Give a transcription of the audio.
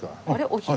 お昼。